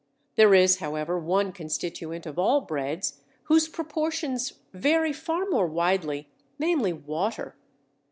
There is, however, one constituent of all breads whose proportions vary far more widely, namely water.